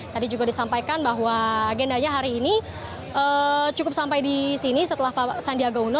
tadi juga disampaikan bahwa agendanya hari ini cukup sampai di sini setelah pak sandiaga uno